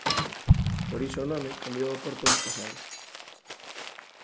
Por iso o nome cambiou a Porto dos Casais.